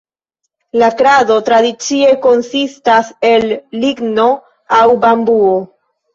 La krado tradicie konsistas el ligno aŭ bambuo.